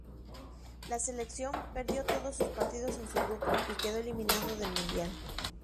La selección perdió todos sus partidos en su grupo y quedó eliminado del mundial.